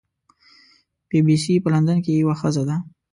بی بي سي په لندن کې یوه ښځه ده.